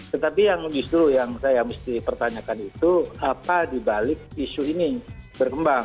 tetapi yang justru yang saya mesti pertanyakan itu apa dibalik isu ini berkembang